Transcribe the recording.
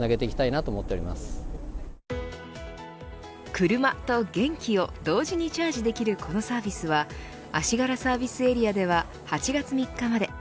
車と元気を同時にチャージできるこのサービスは足柄サービスエリアでは８月３日まで。